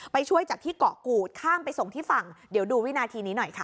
ไปช่วยจากที่เกาะกูดข้ามไปส่งที่ฝั่งเดี๋ยวดูวินาทีนี้หน่อยค่ะ